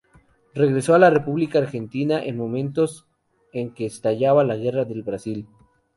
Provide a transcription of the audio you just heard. Regresó a la República Argentina en momentos en que estallaba la Guerra del Brasil.